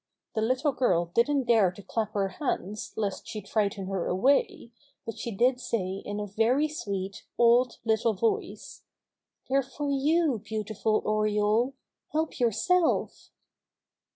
The little girl didn't dare to clap her hands lest she'd frighten her away, but she did say in a very sweet, awed little voice : "They're for you, beautiful Oriole! Help yourself!"